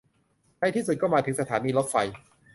ในที่สุดก็มาถึงสถานีรถไฟ